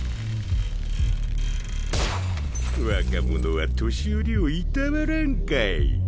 若者は年寄りをいたわらんかい。